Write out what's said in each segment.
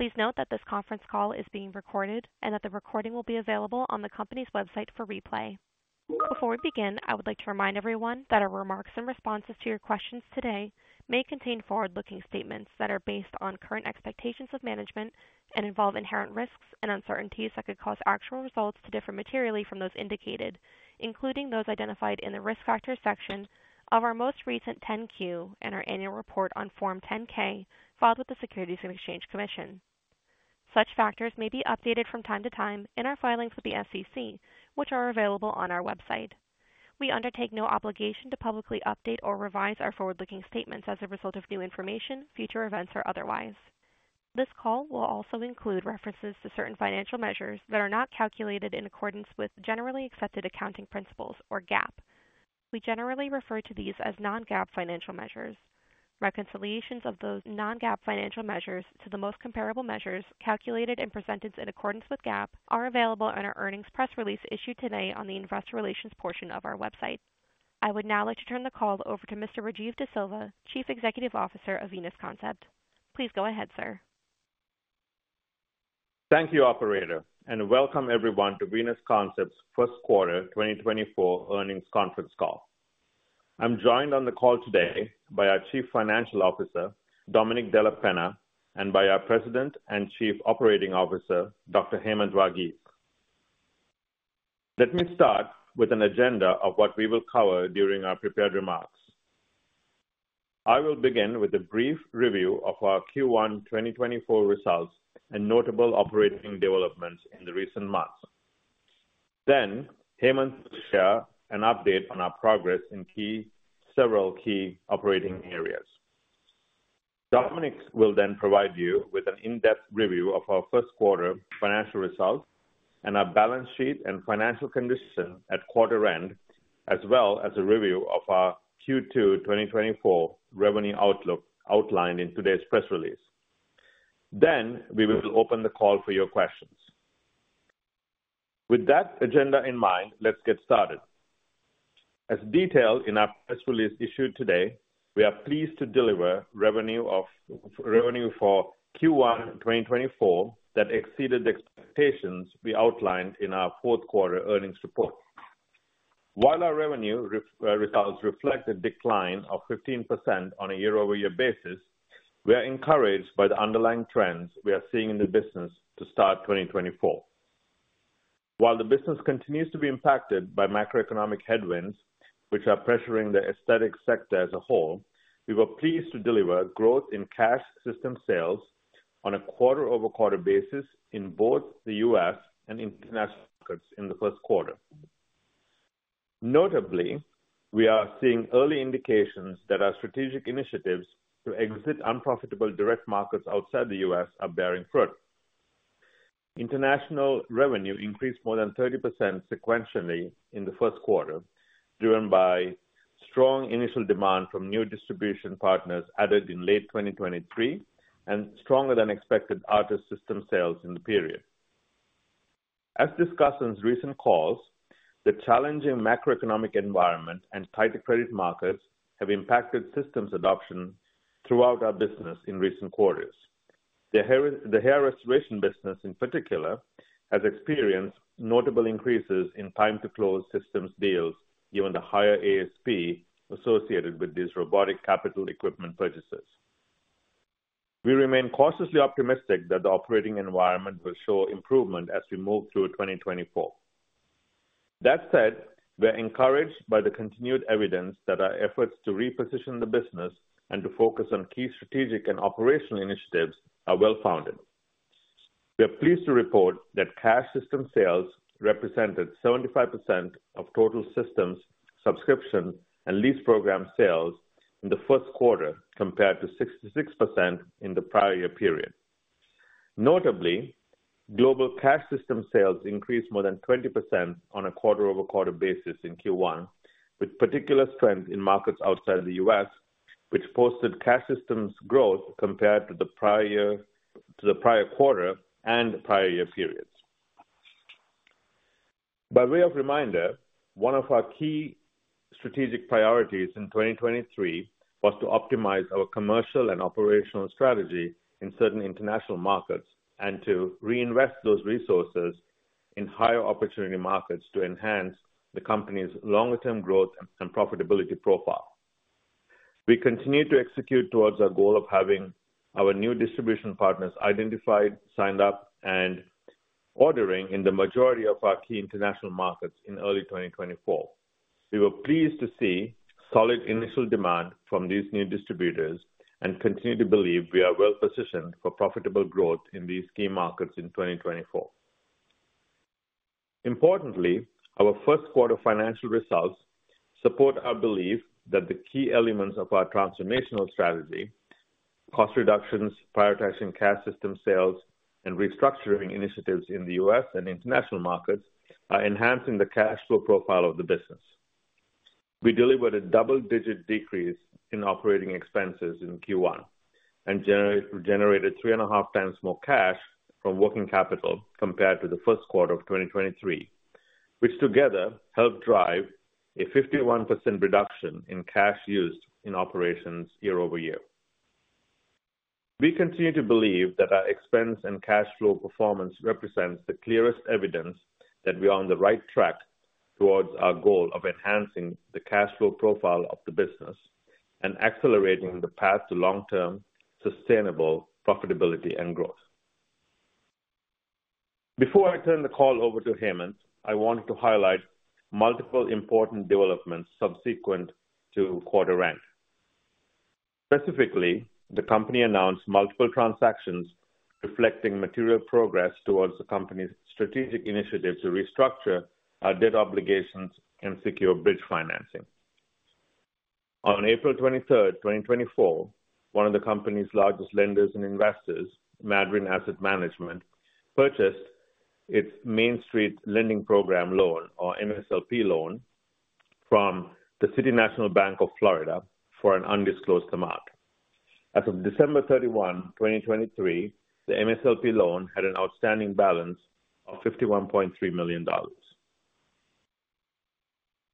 Please note that this conference call is being recorded and that the recording will be available on the company's website for replay. Before we begin, I would like to remind everyone that our remarks and responses to your questions today may contain forward-looking statements that are based on current expectations of management and involve inherent risks and uncertainties that could cause actual results to differ materially from those indicated, including those identified in the Risk Factors section of our most recent 10-Q and our annual report on Form 10-K, filed with the Securities and Exchange Commission. Such factors may be updated from time to time in our filings with the SEC, which are available on our website. We undertake no obligation to publicly update or revise our forward-looking statements as a result of new information, future events, or otherwise. This call will also include references to certain financial measures that are not calculated in accordance with generally accepted accounting principles, or GAAP. We generally refer to these as non-GAAP financial measures. Reconciliations of those non-GAAP financial measures to the most comparable measures, calculated and presented in accordance with GAAP, are available on our earnings press release issued today on the investor relations portion of our website. I would now like to turn the call over to Mr. Rajiv De Silva, Chief Executive Officer of Venus Concept. Please go ahead, sir. Thank you, operator, and welcome everyone to Venus Concept's first quarter 2024 earnings conference call. I'm joined on the call today by our Chief Financial Officer, Domenic Della Penna, and by our President and Chief Operating Officer, Dr. Hemanth Varghese. Let me start with an agenda of what we will cover during our prepared remarks. I will begin with a brief review of our Q1 2024 results and notable operating developments in the recent months. Then Hemanth will share an update on our progress in several key operating areas. Domenic will then provide you with an in-depth review of our first quarter financial results and our balance sheet and financial condition at quarter end, as well as a review of our Q2 2024 revenue outlook outlined in today's press release. Then we will open the call for your questions. With that agenda in mind, let's get started. As detailed in our press release issued today, we are pleased to deliver revenue for Q1 2024 that exceeded the expectations we outlined in our fourth quarter earnings report. While our revenue results reflect a decline of 15% on a year-over-year basis, we are encouraged by the underlying trends we are seeing in the business to start 2024. While the business continues to be impacted by macroeconomic headwinds, which are pressuring the aesthetic sector as a whole, we were pleased to deliver growth in cash system sales on a quarter-over-quarter basis in both the U.S. and international markets in the first quarter. Notably, we are seeing early indications that our strategic initiatives to exit unprofitable direct markets outside the U.S. are bearing fruit. International revenue increased more than 30% sequentially in the first quarter, driven by strong initial demand from new distribution partners added in late 2023 and stronger than expected ARTAS system sales in the period. As discussed in recent calls, the challenging macroeconomic environment and tighter credit markets have impacted systems adoption throughout our business in recent quarters. The hair restoration business in particular, has experienced notable increases in time to close systems deals, given the higher ASP associated with these robotic capital equipment purchases. We remain cautiously optimistic that the operating environment will show improvement as we move through 2024. That said, we are encouraged by the continued evidence that our efforts to reposition the business and to focus on key strategic and operational initiatives are well-founded. We are pleased to report that cash system sales represented 75% of total systems, subscription, and lease program sales in the first quarter, compared to 66% in the prior year period. Notably, global cash system sales increased more than 20% on a quarter-over-quarter basis in Q1, with particular strength in markets outside the U.S., which posted cash systems growth compared to the prior quarter and prior year periods. By way of reminder, one of our key strategic priorities in 2023 was to optimize our commercial and operational strategy in certain international markets and to reinvest those resources in higher opportunity markets to enhance the company's longer-term growth and profitability profile. We continue to execute towards our goal of having our new distribution partners identified, signed up, and ordering in the majority of our key international markets in early 2024. We were pleased to see solid initial demand from these new distributors and continue to believe we are well positioned for profitable growth in these key markets in 2024. Importantly, our first quarter financial results support our belief that the key elements of our transformational strategy, cost reductions, prioritizing cash system sales, and restructuring initiatives in the U.S. and international markets, are enhancing the cash flow profile of the business. We delivered a double-digit decrease in operating expenses in Q1 and generated 3.5 times more cash from working capital compared to the first quarter of 2023, which together helped drive a 51% reduction in cash used in operations year-over-year. We continue to believe that our expense and cash flow performance represents the clearest evidence that we are on the right track towards our goal of enhancing the cash flow profile of the business and accelerating the path to long-term sustainable profitability and growth. Before I turn the call over to Hemanth, I want to highlight multiple important developments subsequent to quarter end. Specifically, the company announced multiple transactions reflecting material progress towards the company's strategic initiative to restructure our debt obligations and secure bridge financing. On April 23, 2024, one of the company's largest lenders and investors, Madryn Asset Management, purchased its Main Street Lending Program loan, or MSLP loan, from the City National Bank of Florida for an undisclosed amount. As of December 31, 2023, the MSLP loan had an outstanding balance of $51.3 million.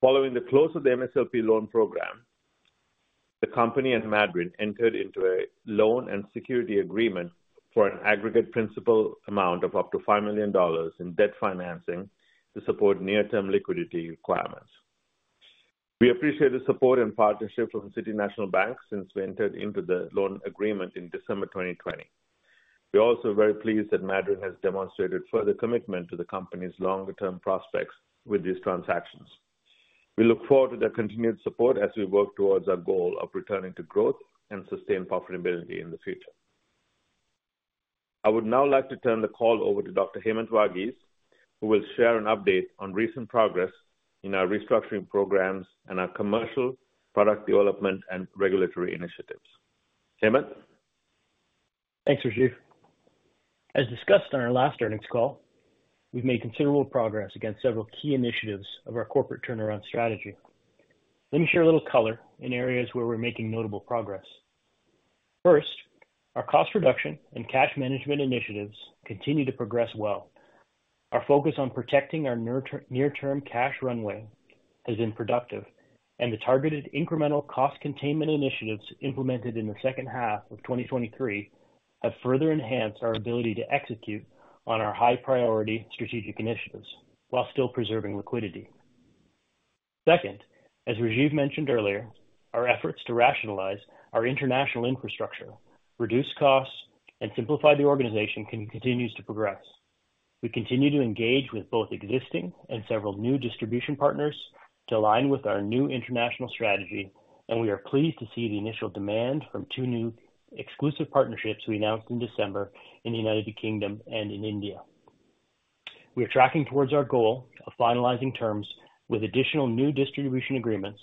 Following the close of the MSLP loan program, the company and Madryn entered into a loan and security agreement for an aggregate principal amount of up to $5 million in debt financing to support near-term liquidity requirements. We appreciate the support and partnership with the City National Bank since we entered into the loan agreement in December 2020. We are also very pleased that Madryn has demonstrated further commitment to the company's longer-term prospects with these transactions. We look forward to their continued support as we work towards our goal of returning to growth and sustained profitability in the future. I would now like to turn the call over to Dr. Hemanth Varghese, who will share an update on recent progress in our restructuring programs and our commercial product development and regulatory initiatives. Hemanth? Thanks, Rajiv. As discussed on our last earnings call, we've made considerable progress against several key initiatives of our corporate turnaround strategy. Let me share a little color in areas where we're making notable progress. First, our cost reduction and cash management initiatives continue to progress well. Our focus on protecting our near-term cash runway has been productive, and the targeted incremental cost containment initiatives implemented in the second half of 2023 have further enhanced our ability to execute on our high priority strategic initiatives while still preserving liquidity. Second, as Rajiv mentioned earlier, our efforts to rationalize our international infrastructure, reduce costs, and simplify the organization continues to progress. We continue to engage with both existing and several new distribution partners to align with our new international strategy, and we are pleased to see the initial demand from two new exclusive partnerships we announced in December in the United Kingdom and in India. We are tracking towards our goal of finalizing terms with additional new distribution agreements,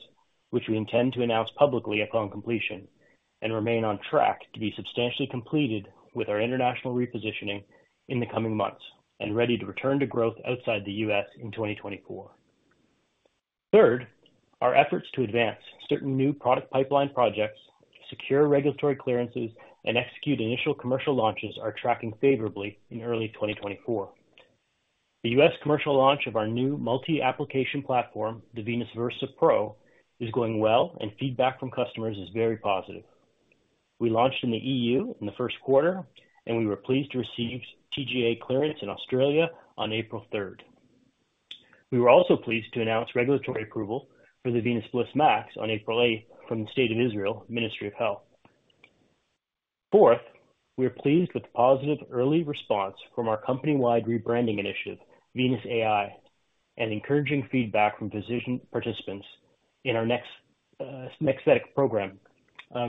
which we intend to announce publicly upon completion and remain on track to be substantially completed with our international repositioning in the coming months and ready to return to growth outside the U.S. in 2024. Third, our efforts to advance certain new product pipeline projects, secure regulatory clearances, and execute initial commercial launches are tracking favorably in early 2024. The U.S. commercial launch of our new multi-application platform, the Venus Versa Pro, is going well, and feedback from customers is very positive. We launched in the EU in the first quarter, and we were pleased to receive TGA clearance in Australia on April 3. We were also pleased to announce regulatory approval for the Venus Bliss MAX on April 8 from the State of Israel, Ministry of Health. Fourth, we are pleased with the positive early response from our company-wide rebranding initiative, Venus AI, and encouraging feedback from physician participants in our NEXXthetics program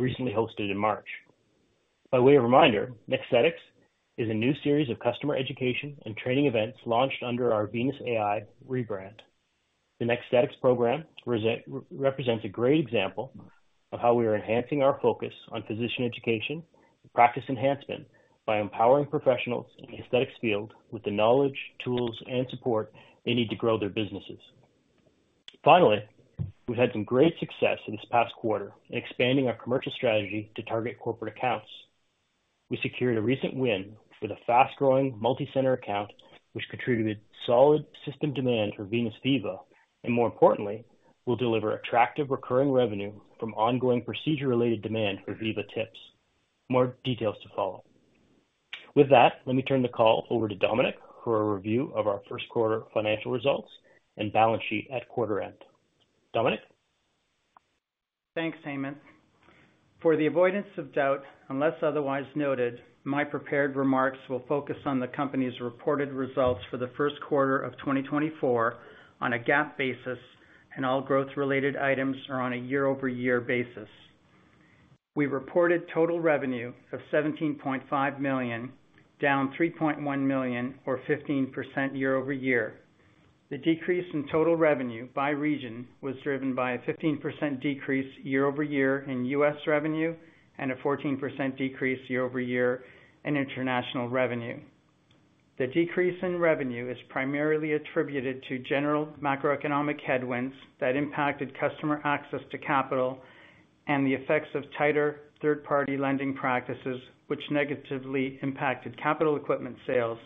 recently hosted in March. By way of reminder, NEXXthetics is a new series of customer education and training events launched under our Venus AI rebrand. The NEXXthetics program represents a great example of how we are enhancing our focus on physician education and practice enhancement by empowering professionals in the aesthetics field with the knowledge, tools, and support they need to grow their businesses. Finally, we've had some great success in this past quarter in expanding our commercial strategy to target corporate accounts. We secured a recent win with a fast-growing multi-center account, which contributed solid system demand for Venus Viva, and more importantly, will deliver attractive recurring revenue from ongoing procedure-related demand for Viva tips. More details to follow. With that, let me turn the call over to Domenic for a review of our first quarter financial results and balance sheet at quarter end. Domenic? Thanks, Hemanth. For the avoidance of doubt, unless otherwise noted, my prepared remarks will focus on the company's reported results for the first quarter of 2024 on a GAAP basis, and all growth-related items are on a year-over-year basis. We reported total revenue of $17.5 million, down $3.1 million, or 15% year over year. The decrease in total revenue by region was driven by a 15% decrease year over year in U.S. revenue and a 14% decrease year over year in international revenue. The decrease in revenue is primarily attributed to general macroeconomic headwinds that impacted customer access to capital, and the effects of tighter third-party lending practices, which negatively impacted capital equipment sales.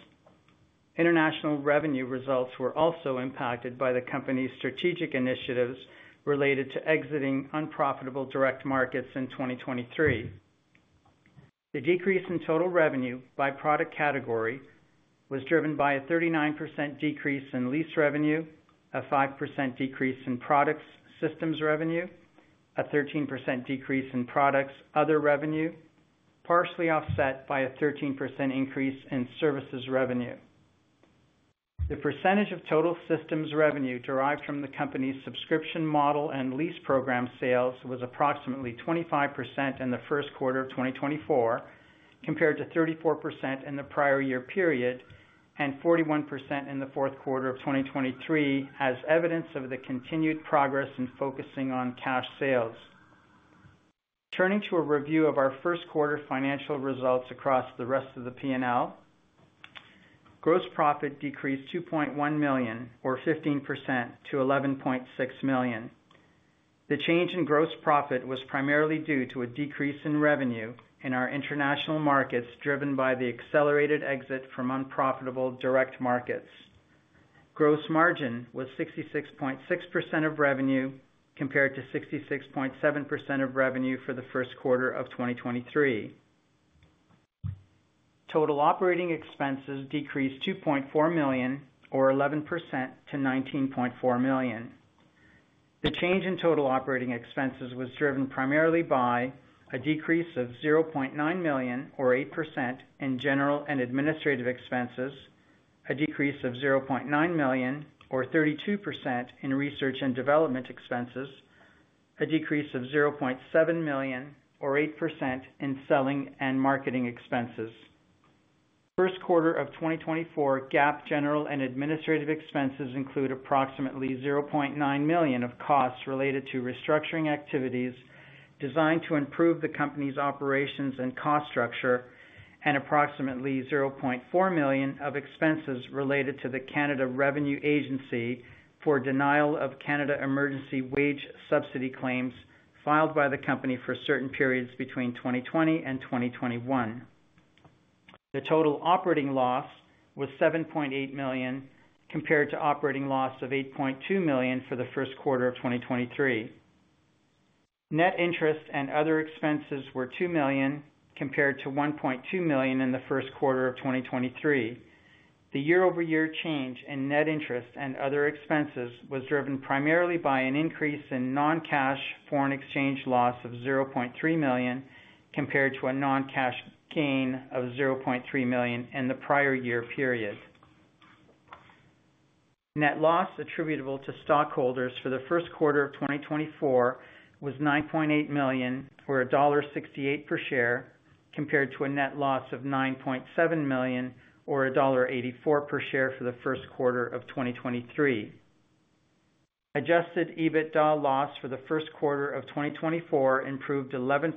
International revenue results were also impacted by the company's strategic initiatives related to exiting unprofitable direct markets in 2023. The decrease in total revenue by product category was driven by a 39% decrease in lease revenue, a 5% decrease in products systems revenue, a 13% decrease in products other revenue, partially offset by a 13% increase in services revenue. The percentage of total systems revenue derived from the company's subscription model and lease program sales was approximately 25% in the first quarter of 2024, compared to 34% in the prior year period, and 41% in the fourth quarter of 2023, as evidence of the continued progress in focusing on cash sales. Turning to a review of our first quarter financial results across the rest of the P&L. Gross profit decreased $2.1 million, or 15%, to $11.6 million. The change in gross profit was primarily due to a decrease in revenue in our international markets, driven by the accelerated exit from unprofitable direct markets. Gross margin was 66.6% of revenue, compared to 66.7% of revenue for the first quarter of 2023. Total operating expenses decreased $2.4 million, or 11%, to $19.4 million. The change in total operating expenses was driven primarily by a decrease of $0.9 million, or 8%, in general and administrative expenses, a decrease of $0.9 million, or 32%, in research and development expenses, a decrease of $0.7 million, or 8%, in selling and marketing expenses. First quarter of 2024, GAAP general and administrative expenses include approximately $0.9 million of costs related to restructuring activities designed to improve the company's operations and cost structure, and approximately $0.4 million of expenses related to the Canada Revenue Agency for denial of Canada Emergency Wage Subsidy claims filed by the company for certain periods between 2020 and 2021. The total operating loss was $7.8 million, compared to operating loss of $8.2 million for the first quarter of 2023. Net interest and other expenses were $2 million, compared to $1.2 million in the first quarter of 2023. The year-over-year change in net interest and other expenses was driven primarily by an increase in non-cash foreign exchange loss of $0.3 million, compared to a non-cash gain of $0.3 million in the prior year period. Net loss attributable to stockholders for the first quarter of 2024 was $9.8 million, or $0.68 per share, compared to a net loss of $9.7 million or $0.84 per share for the first quarter of 2023. Adjusted EBITDA loss for the first quarter of 2024 improved 11%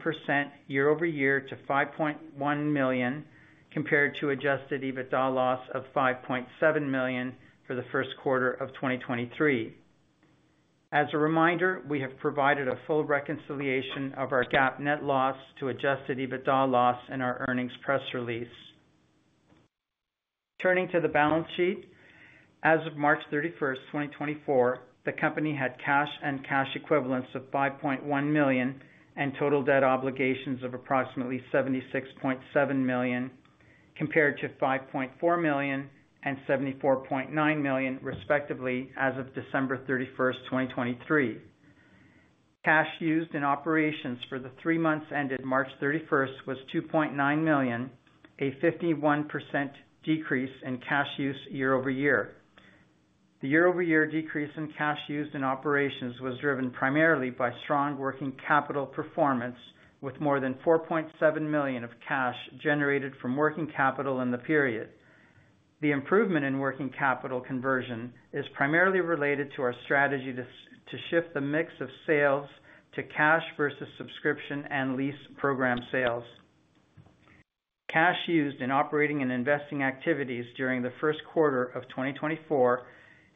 year-over-year to $5.1 million, compared to adjusted EBITDA loss of $5.7 million for the first quarter of 2023. As a reminder, we have provided a full reconciliation of our GAAP net loss to adjusted EBITDA loss in our earnings press release. Turning to the balance sheet. As of March 31, 2024, the company had cash and cash equivalents of $5.1 million, and total debt obligations of approximately $76.7 million, compared to $5.4 million and $74.9 million, respectively, as of December 31, 2023. Cash used in operations for the three months ended March 31, was $2.9 million, a 51% decrease in cash use year-over-year. The year-over-year decrease in cash used in operations was driven primarily by strong working capital performance, with more than $4.7 million of cash generated from working capital in the period. The improvement in working capital conversion is primarily related to our strategy to shift the mix of sales to cash versus subscription and lease program sales. Cash used in operating and investing activities during the first quarter of 2024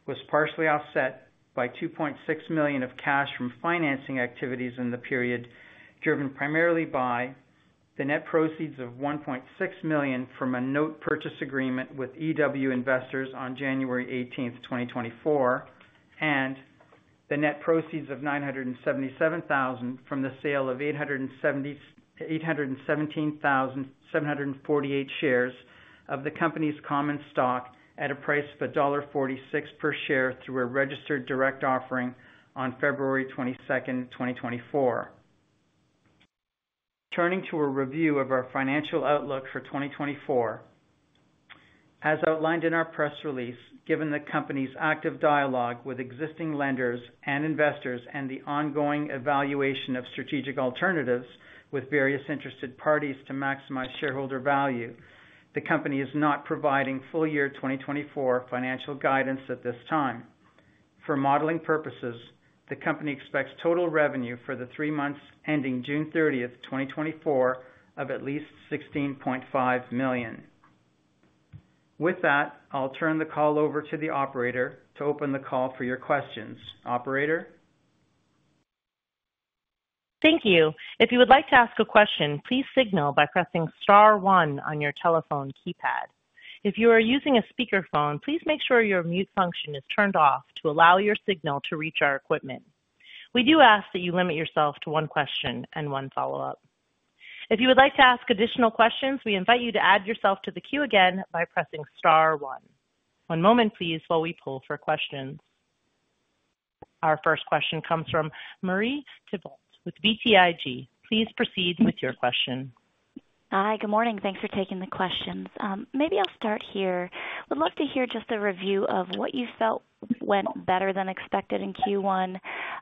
was partially offset by $2.6 million of cash from financing activities in the period, driven primarily by the net proceeds of $1.6 million from a note purchase agreement with EW Investors on January 18, 2024, and the net proceeds of $977,000 from the sale of 878,748 shares of the company's common stock at a price of $1.46 per share through a registered direct offering on February 22, 2024. Turning to a review of our financial outlook for 2024. As outlined in our press release, given the company's active dialogue with existing lenders and investors, and the ongoing evaluation of strategic alternatives with various interested parties to maximize shareholder value, the company is not providing full year 2024 financial guidance at this time. For modeling purposes, the company expects total revenue for the three months ending June 30, 2024, of at least $16.5 million.... With that, I'll turn the call over to the operator to open the call for your questions. Operator? Thank you. If you would like to ask a question, please signal by pressing star one on your telephone keypad. If you are using a speakerphone, please make sure your mute function is turned off to allow your signal to reach our equipment. We do ask that you limit yourself to one question and one follow-up. If you would like to ask additional questions, we invite you to add yourself to the queue again by pressing star one. One moment, please, while we pull for questions. Our first question comes from Marie Thibault with BTIG. Please proceed with your question. Hi, good morning. Thanks for taking the questions. Maybe I'll start here. Would love to hear just a review of what you felt went better than expected in Q1,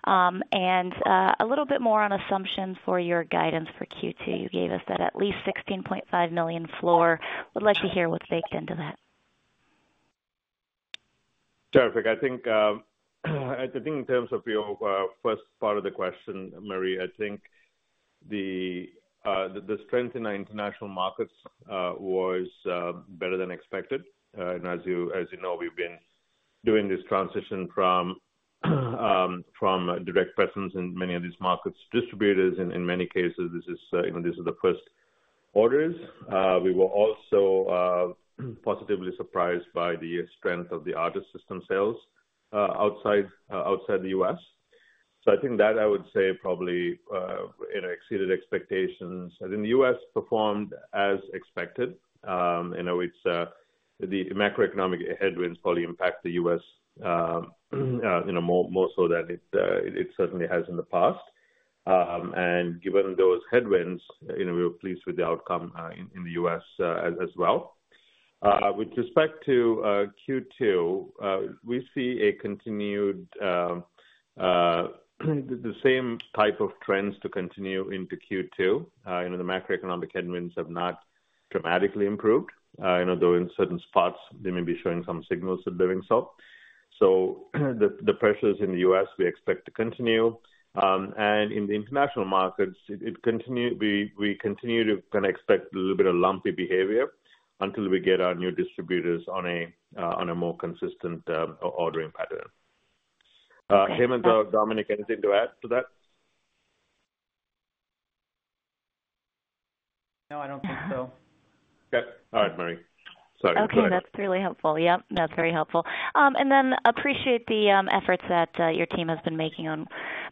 and a little bit more on assumptions for your guidance for Q2. You gave us that at least $16.5 million floor. Would like to hear what's baked into that. Terrific. I think in terms of your first part of the question, Marie, I think the strength in our international markets was better than expected. And as you know, we've been doing this transition from direct presence in many of these markets, distributors. In many cases, this is, you know, this is the first orders. We were also positively surprised by the strength of the ARTAS system sales outside the U.S. So I think that I would say probably, you know, exceeded expectations. And in the U.S., performed as expected. You know, it's the macroeconomic headwinds probably impact the U.S., you know, more so than it certainly has in the past. And given those headwinds, you know, we were pleased with the outcome in the U.S. as well. With respect to Q2, we see a continued the same type of trends to continue into Q2. You know, the macroeconomic headwinds have not dramatically improved, you know, though, in certain spots they may be showing some signals of doing so. So the pressures in the U.S. we expect to continue. And in the international markets, we continue to kind of expect a little bit of lumpy behavior until we get our new distributors on a more consistent ordering pattern. Hemanth or Domenic, anything to add to that? No, I don't think so. Okay. All right, Marie. Sorry. Okay, that's really helpful. Yep, that's very helpful. And then appreciate the efforts that your team has been making on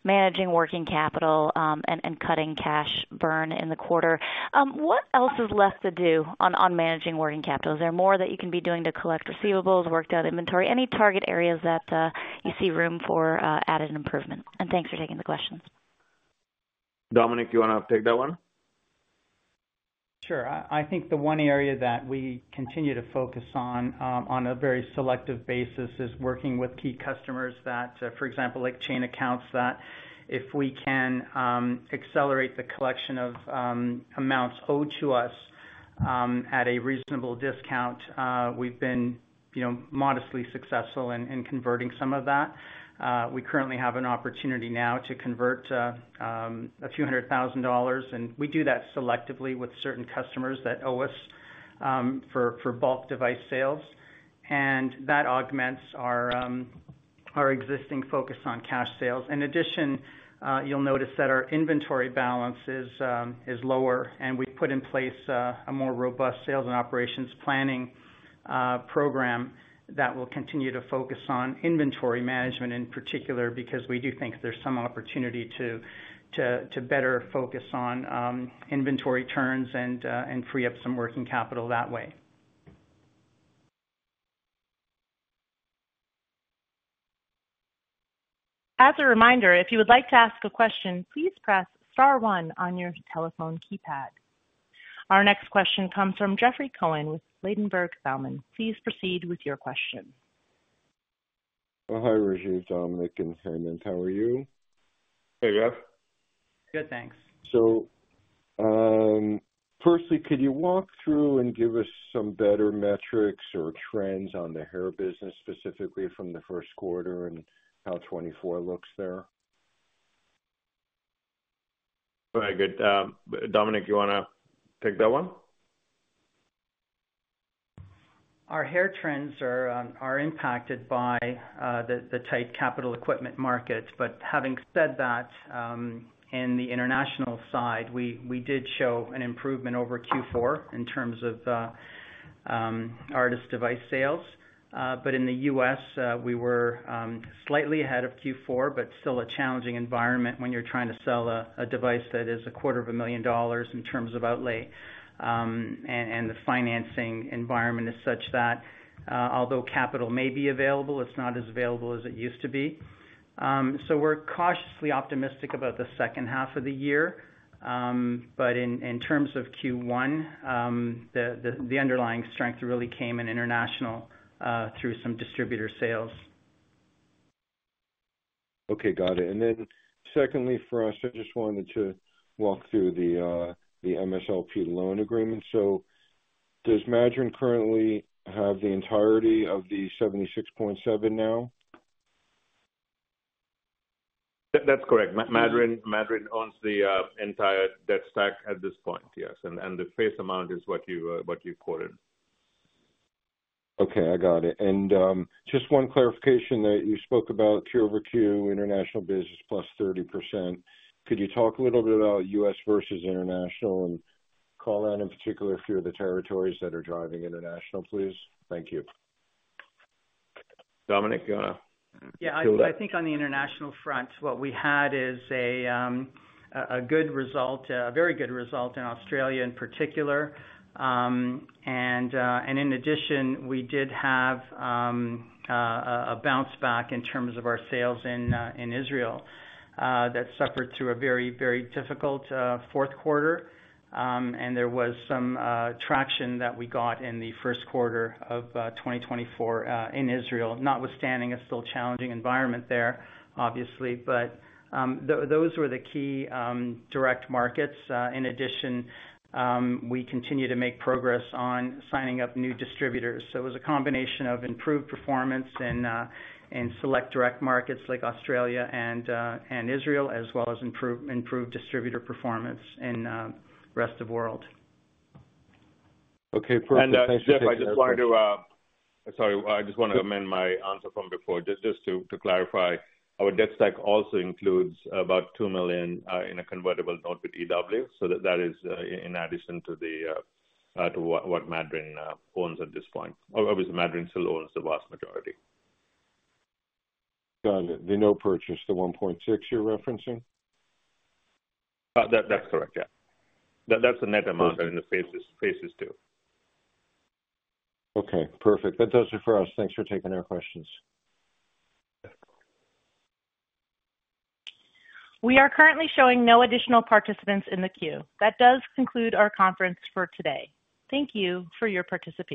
managing working capital, and cutting cash burn in the quarter. What else is left to do on managing working capital? Is there more that you can be doing to collect receivables, work out inventory, any target areas that you see room for added improvement? And thanks for taking the questions. Domenic, you want to take that one? Sure. I think the one area that we continue to focus on, on a very selective basis is working with key customers that, for example, like chain accounts, that if we can accelerate the collection of amounts owed to us at a reasonable discount, we've been, you know, modestly successful in converting some of that. We currently have an opportunity now to convert a few hundred thousand dollars, and we do that selectively with certain customers that owe us for bulk device sales, and that augments our existing focus on cash sales. In addition, you'll notice that our inventory balance is lower, and we've put in place a more robust sales and operations planning program that will continue to focus on inventory management in particular, because we do think there's some opportunity to better focus on inventory turns and free up some working capital that way. As a reminder, if you would like to ask a question, please press star one on your telephone keypad. Our next question comes from Jeffrey Cohen with Ladenburg Thalmann. Please proceed with your question. Hi, Rajiv, Domenic, and Hemanth. How are you? Hey, Jeff. Good, thanks. Firstly, could you walk through and give us some better metrics or trends on the hair business, specifically from the first quarter and how 2024 looks there? Very good. Domenic, you want to take that one? Our hair trends are impacted by the tight capital equipment market. But having said that, in the international side, we did show an improvement over Q4 in terms of ARTAS device sales. But in the US, we were slightly ahead of Q4, but still a challenging environment when you're trying to sell a device that is $250,000 in terms of outlay. And the financing environment is such that although capital may be available, it's not as available as it used to be. So we're cautiously optimistic about the second half of the year. But in terms of Q1, the underlying strength really came in international through some distributor sales. Okay, got it. And then secondly, for us, I just wanted to walk through the MSLP loan agreement. So does Madryn currently have the entirety of the $76.7 now? That's correct. Madryn owns the entire debt stack at this point. Yes, and the face amount is what you quoted. Okay, I got it. And, just one clarification that you spoke about Q over Q, international business plus 30%. Could you talk a little bit about U.S. versus international and call out, in particular, a few of the territories that are driving international, please? Thank you. Domenic, do you want to? Yeah, I think on the international front, what we had is a good result, a very good result in Australia in particular. And in addition, we did have a bounce back in terms of our sales in Israel that suffered through a very, very difficult fourth quarter. And there was some traction that we got in the first quarter of 2024 in Israel, notwithstanding a still challenging environment there, obviously. But those were the key direct markets. In addition, we continue to make progress on signing up new distributors. So it was a combination of improved performance in select direct markets like Australia and Israel, as well as improved distributor performance in rest of world. Okay, perfect. Jeff, I just wanted to- Sorry, I just want to amend my answer from before. Just to clarify, our debt stack also includes about $2 million in a convertible note with EW. So that is in addition to what Madryn owns at this point. Obviously, Madryn still owns the vast majority. Got it. The note purchase, the $1.6 you're referencing? That's correct, yeah. That's the net amount in the faces too. Okay, perfect. That does it for us. Thanks for taking our questions. We are currently showing no additional participants in the queue. That does conclude our conference for today. Thank you for your participation.